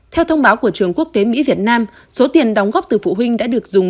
theo thông báo của trường quốc tế mỹ việt nam số tiền đóng góp từ phụ huynh đã được dùng